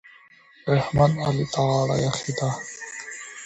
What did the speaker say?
احمد؛ علي ته غاړه ايښې ده.